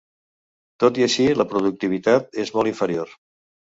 Tot i així, la productivitat és molt inferior.